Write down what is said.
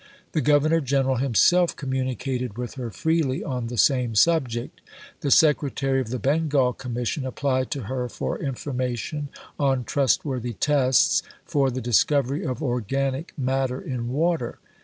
The Governor General himself communicated with her freely on the same subject. The Secretary of the Bengal Commission applied to her for information on trustworthy tests for the discovery of organic matter in water.